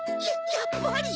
やっぱり！